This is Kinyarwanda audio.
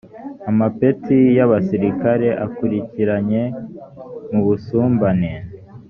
amapeti y abasirikare akurikiranye mu busumbane